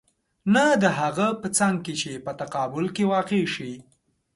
نه د هغه په څنګ کې چې په تقابل کې واقع شي.